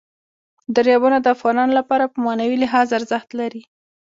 دریابونه د افغانانو لپاره په معنوي لحاظ ارزښت لري.